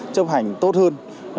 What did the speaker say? chấp hành tốt hơn